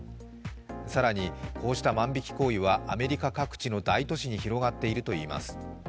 更にこうした万引き行為はアメリカ各地の大都市に広がっているといいます。